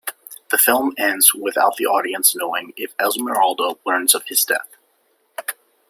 The film ends without the audience knowing if Esmeralda learns of his death.